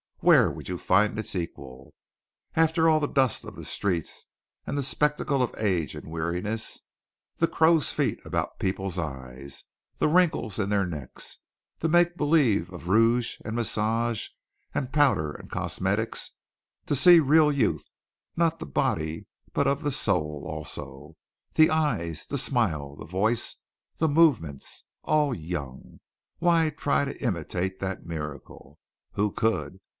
Where would you find its equal? After all the dust of the streets and the spectacle of age and weariness the crow's feet about people's eyes, the wrinkles in their necks, the make believe of rouge and massage, and powder and cosmetics, to see real youth, not of the body but of the soul also the eyes, the smile, the voice, the movements all young. Why try to imitate that miracle? Who could?